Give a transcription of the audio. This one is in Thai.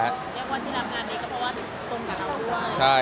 แล้วคนที่ทำงานดีก็เพราะว่าตรงกับเราด้วย